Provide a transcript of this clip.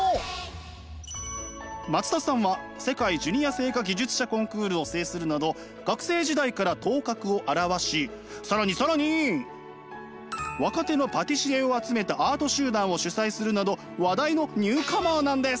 松田さんは世界ジュニア製菓技術者コンクールを制するなど学生時代から頭角を現し更に更に若手のパティシエを集めたアート集団を主催するなど話題のニューカマーなんです。